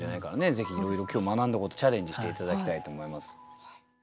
ぜひいろいろ今日学んだことチャレンジして頂きたいと思います。